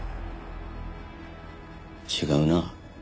違うな。